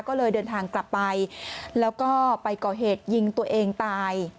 ก็เลยเดินทางกลับไปแล้วก็ไปก่อเหตุยิงตัวเองตาย